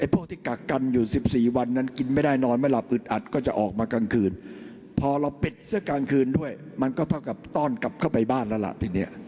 พวกที่กักกันอยู่๑๔วันนั้นกินไม่ได้นอนไม่หลับอึดอัดก็จะออกมากลางคืนพอเราปิดเสื้อกลางคืนด้วยมันก็เท่ากับต้อนกลับเข้าไปบ้านแล้วล่ะทีนี้